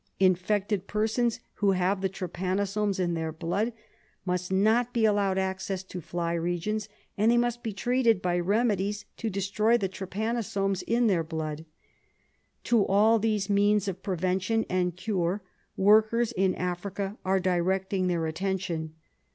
Infected persons who have the trypanosomes in their blood must not be allowed access to fly regions, and they must be treated by remedies to destroy the trypano somes in their blood. To all these means of prevention and cure workers in Africa are directing their attention.